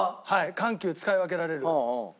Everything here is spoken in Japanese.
緩急使い分けられる選手。